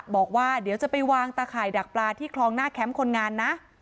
บอกว่าเดี๋ยวจะไปวางตะข่ายดักปลาที่คลองหน้าแคมป์คนงานนะ